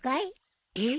え？